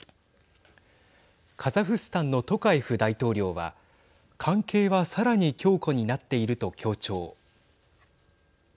カザフスタンのトカエフ大統領は関係はさらに強固になっていると強調。